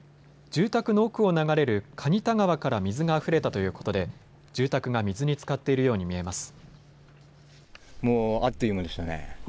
住宅の奥を流れる蟹田川から水があふれたということで住宅が水につかっているように見えます。